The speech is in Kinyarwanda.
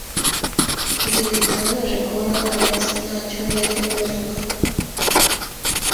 Ntibitangaje kubona Alex ntacyo yari abivugaho.